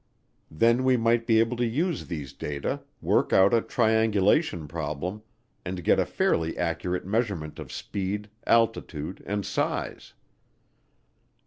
Then we might be able to use these data, work out a triangulation problem, and get a fairly accurate measurement of speed, altitude, and size.